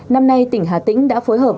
năm nay tỉnh hà tĩnh đã phối hợp